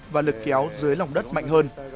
và lực kéo dưới lòng đất mạnh hơn